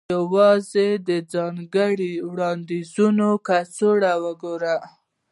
یوازې د ځانګړو وړاندیزونو کڅوړې وګوره